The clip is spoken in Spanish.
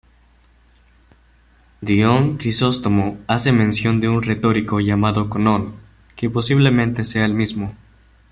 Dion Crisóstomo hace mención de un retórico llamado Conón, que posiblemente sea el mismo.